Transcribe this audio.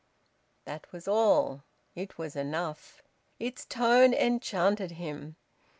That was all. It was enough. Its tone enchanted him.